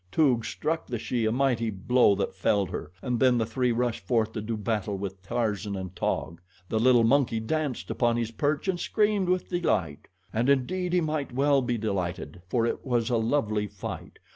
Toog struck the she a mighty blow that felled her, and then the three rushed forth to do battle with Tarzan and Taug. The little monkey danced upon his perch and screamed with delight. And indeed he might well be delighted, for it was a lovely fight.